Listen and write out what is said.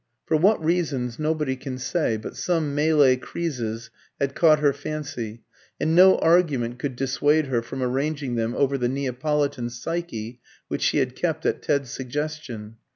For what reasons nobody can say, but some Malay creeses had caught her fancy, and no argument could dissuade her from arranging them over the Neapolitan Psyche which she had kept at Ted's suggestion.